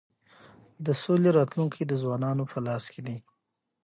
د سولی راتلونکی د ځوانانو په لاس کي دی.